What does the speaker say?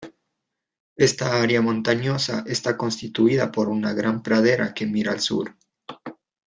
Esta área montañosa está constituida por una gran pradera que mira al sur.